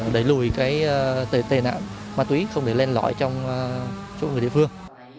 đẩy lùi cái tệ nạn ma túy không để lên lõi trong chỗ người địa phương